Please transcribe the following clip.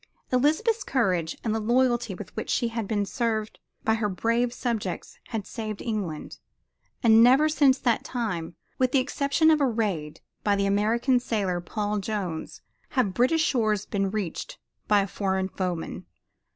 Elizabeth's courage and the loyalty with which she had been served by her brave subjects had saved England, and never since that time, with the exception of a raid by the American sailor, Paul Jones, have British shores been reached by a foreign foeman.